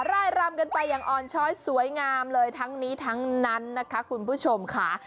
ร่ายรำกันไปอย่างอ่อนช้อยสวยงามเลยทั้งนี้ทั้งนั้นนะคะคุณผู้ชมค่ะ